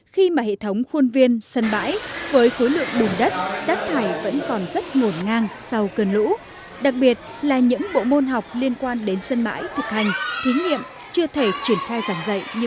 khi mà hệ thống khuôn viên sân bãi với khối lượng bùn đất rác thải vẫn còn rất ngổn ngang sau cơn lũ đặc biệt là những bộ môn học liên quan đến sân bãi thực hành thí nghiệm chưa thể triển khai giảng dạy